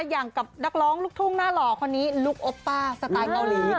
อย่างกับนักร้องลูกทุ่งหน้าหล่อคนนี้ลุคโอป้าสไตล์เกาหลี